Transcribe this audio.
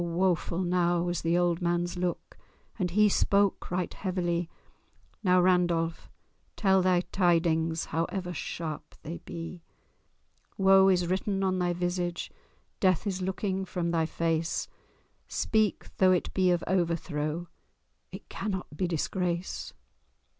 woeful now was the old man's look, And he spake right heavily— "Now, Randolph, tell thy tidings, However sharp they be! Woe is written on thy visage, Death is looking from thy face; Speak! though it be of overthrow— It cannot be disgrace!"